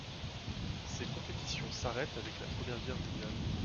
Ces compétitions s'arrêtent avec la Première Guerre mondiale.